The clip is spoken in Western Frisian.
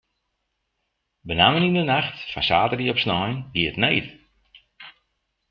Benammen yn de nacht fan saterdei op snein gie it need.